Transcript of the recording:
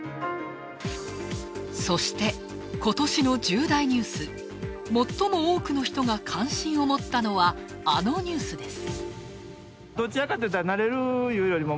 そして、ことしの重大ニュース最も多くの人が関心を持ったのはあのニュースです。